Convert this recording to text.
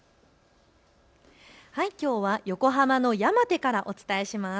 きょうは横浜の山手からお伝えします。